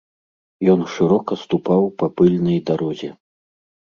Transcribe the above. Ён шырока ступаў па пыльнай дарозе.